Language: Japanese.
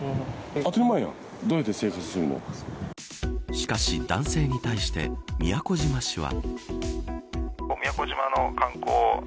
しかし、男性に対して宮古島市は。